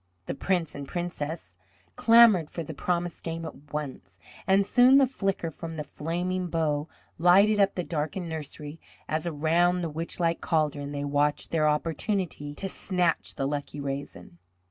The Prince and Princess clamoured for the promised game at once, and soon the flicker from the flaming bow lighted up the darkened nursery as, around the witchlike caldron, they watched their opportunity to snatch the lucky raisin.